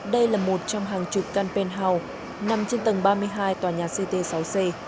đây là một trong hàng chục căn penut nằm trên tầng ba mươi hai tòa nhà ct sáu c